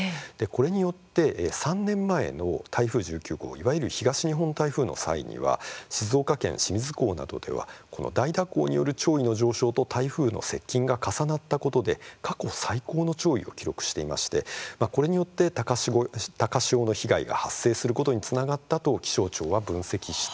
これによって３年前の台風１９号いわゆる東日本台風の際には静岡県清水港などでは大蛇行による潮位の上昇と台風の接近が重なったことで過去最高の潮位を記録していましてこれによって、高潮の被害が発生することにつながったと気象庁は分析しているんです。